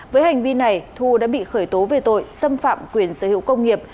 với hành vi này thu đã bị khởi tố về tội xâm phạm quyền sở hữu công nghiệp